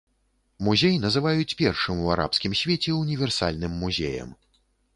Музей называюць першым у арабскім свеце універсальным музеем.